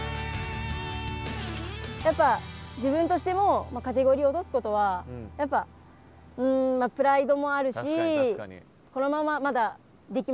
やっぱ自分としてもカテゴリーを落とすことはうんプライドもあるしこのまままだできますしサッカー